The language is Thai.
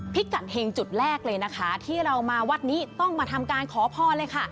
พิกัดเฮงจุดแรกเลยนะคะที่เรามาวัดนี้ต้องมาทำการขอพรเลยค่ะ